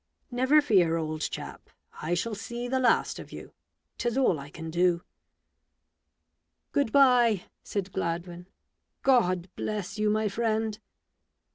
Never fear, old chap, I shall see the last of you, — 'tis all I can do t "" Good bye," said Gladwin ;*' God bless you, my friend